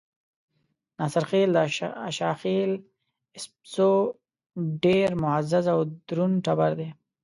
ناصرخېل د اشاخېل ايسپزو ډېر معزز او درون ټبر دے۔